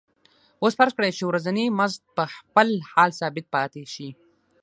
اوس فرض کړئ چې ورځنی مزد په خپل حال ثابت پاتې شي